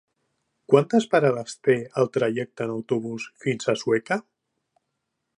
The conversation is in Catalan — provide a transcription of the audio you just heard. Quantes parades té el trajecte en autobús fins a Sueca?